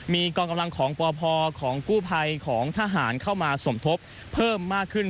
มีกองกำลังของปพของกู้ภัยของทหารเข้ามาสมทบเพิ่มมากขึ้น